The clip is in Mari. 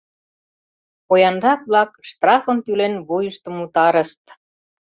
Поянрак-влак штрафым тӱлен вуйыштым утарышт.